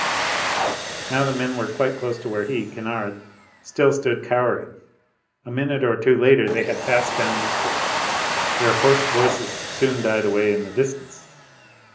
Now the men were quite close to where he Kennard still stood cowering. A minute or two later they had passed down the street. Their hoarse voices soon died away in the distance.